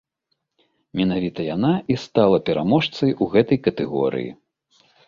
Менавіта яна і стала пераможцай у гэтай катэгорыі.